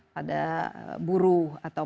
pada buruh atau